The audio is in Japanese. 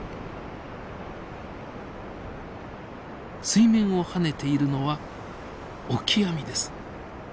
水面を跳ねているのはオキアミです。